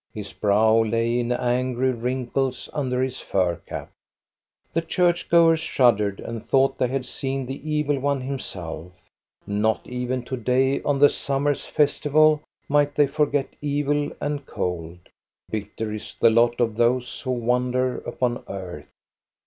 His brow lay in angry wrinkles under his fur cap. The church goers shuddered and thought they had seen the evil one himself. Not even to day on the summer's festival might they forget evil and cold. Bitter is the lot of those who wander upon earth.